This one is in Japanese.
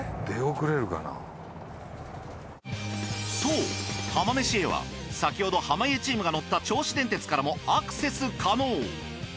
そう浜めしへは先ほど濱家チームが乗った銚子電鉄からもアクセス可能。